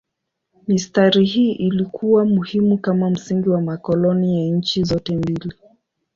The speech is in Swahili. Mistari hii ilikuwa muhimu kama msingi wa makoloni ya nchi zote mbili.